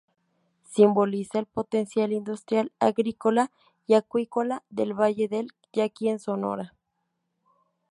Simboliza el potencial industrial, agrícola y acuícola del Valle del Yaqui en Sonora.